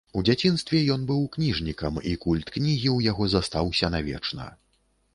У дзяцінстве ён быў кніжнікам, і культ кнігі ў яго застаўся навечна.